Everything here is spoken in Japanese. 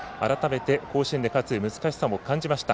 甲子園で勝つ難しさも感じました。